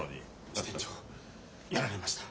支店長やられました。